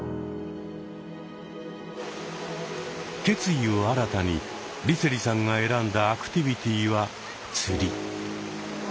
決意を新たに梨星さんが選んだアクティビティは釣り。